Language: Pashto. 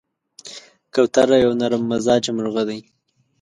کوتره یو نرممزاجه مرغه ده.